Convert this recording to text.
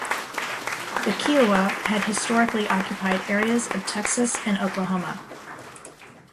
The Kiowa had historically occupied areas of Texas and Oklahoma.